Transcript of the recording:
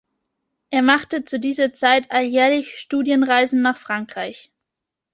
Er machte zu dieser Zeit alljährlich Studienreisen nach Frankreich.